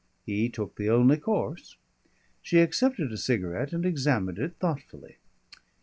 He took the only course. She accepted a cigarette and examined it thoughtfully.